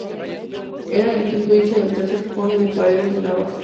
Era el quinto hijo del tercer conde de Paredes de Navas.